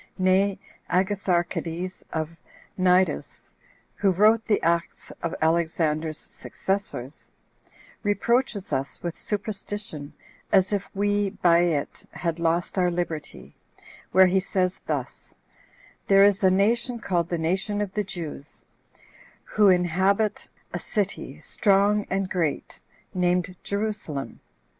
Nay, Agatharchides of Cnidus, who wrote the acts of Alexander's successors, reproaches us with superstition, as if we, by it, had lost our liberty; where he says thus: "There is a nation called the nation of the Jews, who inhabit a city strong and great, named Jerusalem.